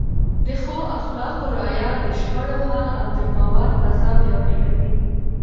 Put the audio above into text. د ښو اخلاقو رعایت د شخړو حل او د باور فضا پیاوړې کوي.